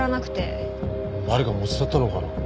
誰かが持ち去ったのかな？